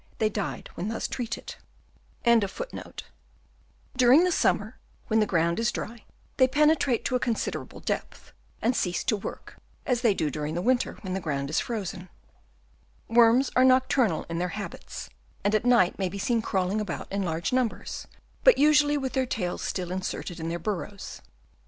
* During the summer when the ground is dry, they penetrate to a consider able depth and cease to work, as they do during the winter when the ground is frozen. Worms are nocturnal in their habits, and at night may be seen crawling about in large numbers, but usually with their tails still inserted in their burrows.